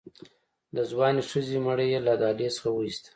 د ځوانې ښځې مړی يې له دهلېز څخه ووېسته.